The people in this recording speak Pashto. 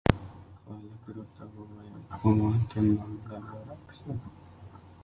خالد راته وویل عمان کې معامله برعکس ده.